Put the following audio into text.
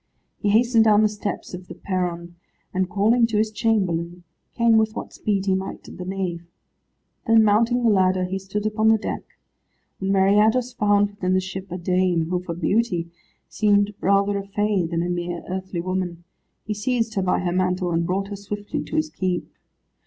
He hastened down the steps of the perron, and calling to his chamberlain, came with what speed he might to the nave. Then mounting the ladder he stood upon the deck. When Meriadus found within the ship a dame, who for beauty seemed rather a fay than a mere earthly woman, he seized her by her mantle, and brought her swiftly to his keep.